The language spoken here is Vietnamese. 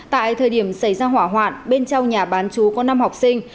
tại thời điểm xảy ra hỏa hoạn bên trong nhà bán chú có năm học sinh